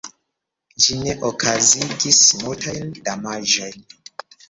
Ĝi ne okazigis multajn damaĝojn.